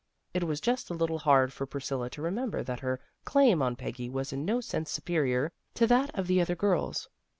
It was just a little hard for Priscilla to remember that her claim on Peggy was in no sense superior to that of the other girls.